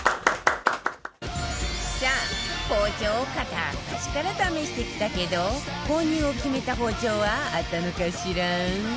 さあ包丁を片っ端から試してきたけど購入を決めた包丁はあったのかしら？